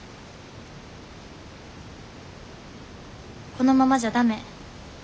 このままじゃダメ。